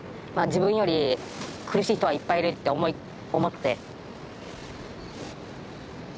まあ自分より苦しい人はいっぱいいるって思って。